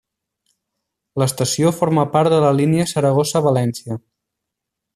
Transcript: L'estació forma part de la línia Saragossa-València.